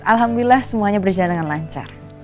alhamdulillah semuanya berjalan dengan lancar